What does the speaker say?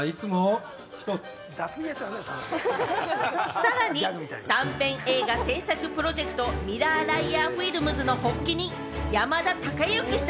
さらに短編映画製作プロジェクト『ＭＩＲＲＯＲＬＩＡＲＦＩＬＭＳ』の発起人、山田孝之さ